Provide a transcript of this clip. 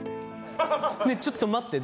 ちょっと待って。